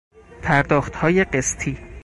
پرداختهای قسطی